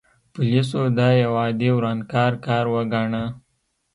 پولیسو دا یو عادي ورانکار کار وګاڼه.